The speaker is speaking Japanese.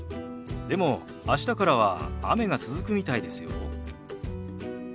でも明日からは雨が続くみたいですよ。